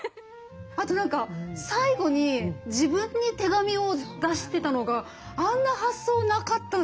あと何か最後に自分に手紙を出してたのがあんな発想なかったんで。